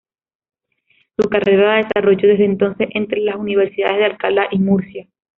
Su carrera la desarrolló desde entonces entre las universidades de Alcalá y Murcia.